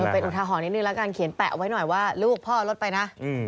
ไปกลุ่มเท้าหอนิดนึงแล้วกันแปะออกไว้หน่อยว่าลูกพ่อรถไปนะ